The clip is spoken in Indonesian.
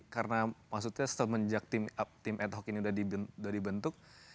karena maksudnya semenjak tim ad hoc ini udah dibentuk